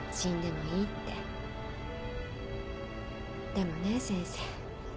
でもね先生。